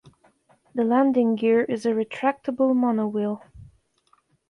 The landing gear is a retractable monowheel.